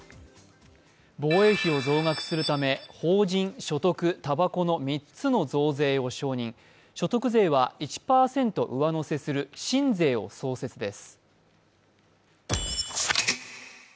防衛費を増額するため法人、所得、たばこの３つの増税を承認、所得税は１％を増税する新税を創設です。